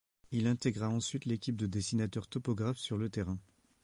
Il intègra ensuite l’équipe de dessinateurs topographe sur le terrain.